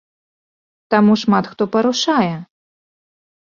Таму шмат хто парушае.